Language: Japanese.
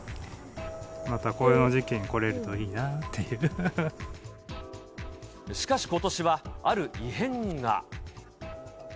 また紅葉の時期に来れるといしかしことしは、ある異変が。